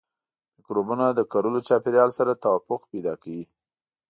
مکروبونه د کرلو چاپیریال سره توافق پیدا کوي.